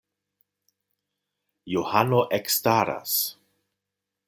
Johano ekstaras.